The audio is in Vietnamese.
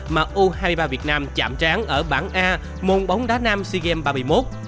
mà u hai mươi ba việt nam chạm tráng ở bảng a môn bóng đá nam sea games ba mươi một